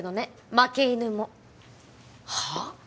負け犬もはあ？